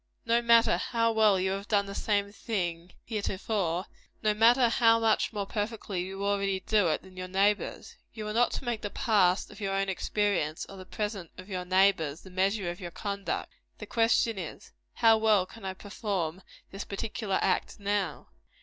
No matter how well you have done the same thing heretofore; no matter how much more perfectly you already do it than your neighbors. You are not to make the past of your own experience, or the present of your neighbor's, the measure of your conduct. The question is How well can I perform this particular act now?